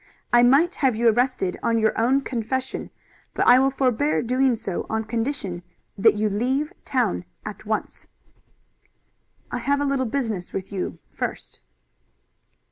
I might have you arrested on your own confession, but I will forbear doing so on condition that you leave town at once." "I have a little business with you first."